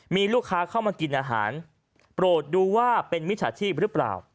มีลูกค้าเข้ามากินอาหารโปรดดูว่าเป็นมิจฉาชีพหรือเปล่า